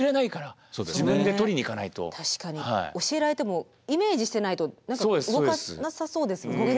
教えられてもイメージしてないと何か動かなさそうですもんね。